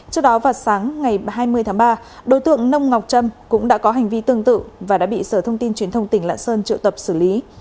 trước đó vào sáng ngày hai mươi tháng ba đối tượng nông ngọc trâm cũng đã có hành vi tương tự và đã bị sở thông tin truyền thông tỉnh lạng sơn triệu tập xử lý